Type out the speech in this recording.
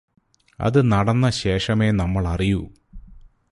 അത് നടന്ന ശേഷമേ നമ്മളറിയൂ